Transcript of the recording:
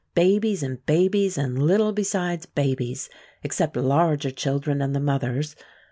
Babies and babies, and little besides babies, except larger children and the mothers.